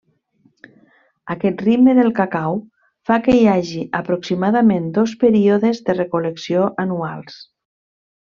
Aquest ritme del cacau fa que hi hagi aproximadament dos períodes de recol·lecció anuals.